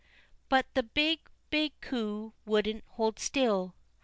But the big, big coo wouldn't hold still.